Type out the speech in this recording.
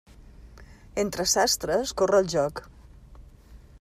Entre sastres corre el joc.